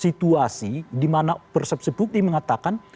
situasi di mana persepsi bukti mengatakan